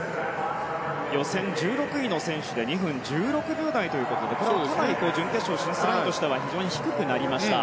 予選１６位の選手で２分１６秒台ということでかなり準決勝進出ラインとしては低くなりました。